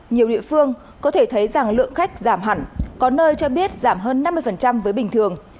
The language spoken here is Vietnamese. nhiều địa phương có thể thấy rằng lượng khách giảm hẳn có nơi cho biết giảm hơn năm mươi với bình thường